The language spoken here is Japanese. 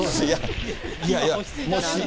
いやいや。